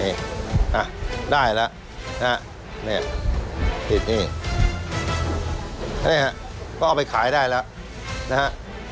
นี่ได้แล้วนะฮะเนี่ยติดนี่นะฮะก็เอาไปขายได้แล้วนะฮะ